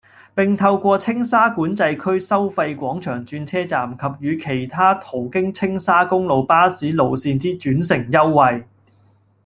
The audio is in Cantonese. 並透過青沙管制區收費廣場轉車站及與其他途經青沙公路巴士路線之轉乘優惠，